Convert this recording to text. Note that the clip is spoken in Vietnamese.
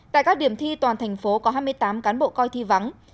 tại các điểm thi toàn thành phố có hai mươi tám cán bộ coi thi vắng